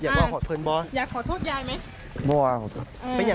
อยากขอโทษยายร์ไหม